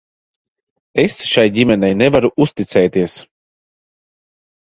Es šai ģimenei nevaru uzticēties.